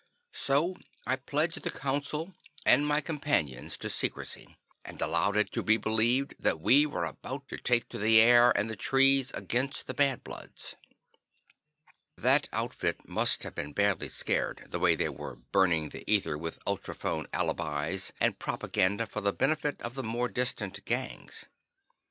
So I pledged the Council and my companions to secrecy, and allowed it to be believed that we were about to take to the air and the trees against the Bad Bloods. That outfit must have been badly scared, the way they were "burning" the ether with ultrophone alibis and propaganda for the benefit of the more distant gangs.